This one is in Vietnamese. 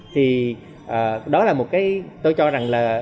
thì đó là một cái tôi cho rằng là